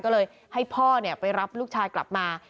ก็เลยให้พ่อไปรับลูกชายกลับมา